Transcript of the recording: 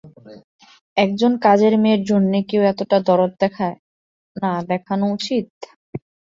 একজন কাজের মেয়ের জন্যে কেউ এতটা দরদ দেখায়, না দেখানো উচিত?